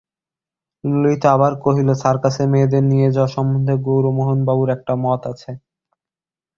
ললিতা আবার কহিল, সার্কাসে মেয়েদের নিয়ে যাওয়া সম্বন্ধে গৌরমোহনবাবুর একটা মত আছে?